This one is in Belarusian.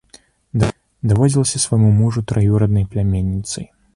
Даводзілася свайму мужу траюраднай пляменніцай.